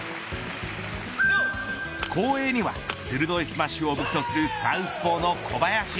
後衛には鋭いスマッシュを武器とするサウスポーの小林。